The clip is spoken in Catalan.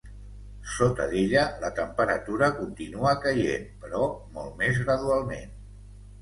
Sota d'ella, la temperatura continua caient, però molt més gradualment.